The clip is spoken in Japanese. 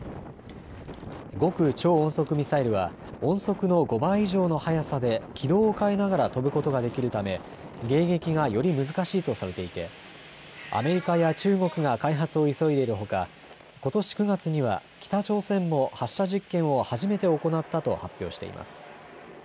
極超音速ミサイルは音速の５倍以上の速さで軌道を変えながら飛ぶことができるため迎撃がより難しいとされていてアメリカや中国が開発を急いでいるほかことし９月には北朝鮮も発射実験を初めて行ったと発表しています。